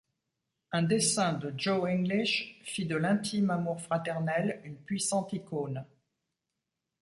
Un dessin de Joe English fit de l'intime amour fraternel une puissante icône.